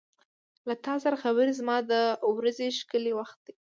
• له تا سره خبرې زما د ورځې ښکلی وخت دی.